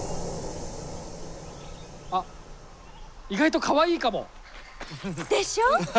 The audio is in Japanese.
あっ意外とかわいいかも。でしょ？